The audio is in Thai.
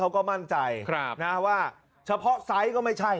แล้วทำแบบนี้เพื่อเอาเงิน๔๐๐ไม่ใช่